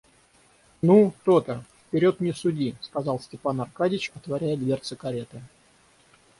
Ну то-то, вперед не суди, — сказал Степан Аркадьич, отворяя дверцы кареты.